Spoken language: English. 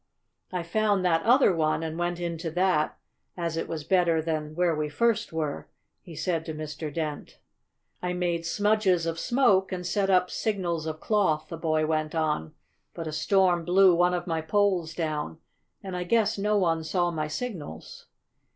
I found that other one, and went into that, as it was better than where we first were," he said to Mr. Dent. "I made smudges of smoke, and set up signals of cloth," the boy went on, "but a storm blew one of my poles down, and I guess no one saw my signals."